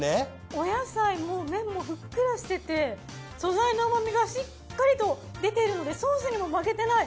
お野菜も麺もふっくらしてて素材の旨味がしっかりと出てるのでソースにも負けてない。